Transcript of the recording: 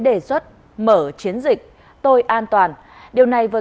tôi rất trẻ lúc đó khoảng hai mươi ba tuổi